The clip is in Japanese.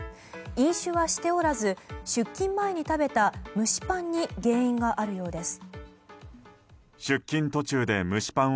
飲酒はしておらず出勤前に食べた蒸しパンに原因があるようです。